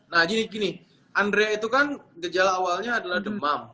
nah gini gini andrea itu kan gejala awalnya adalah demam